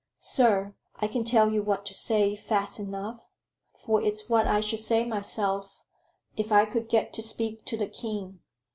"Sir, I can tell you what to say fast enough; for it's what I should say myself if I could get to speak to the king.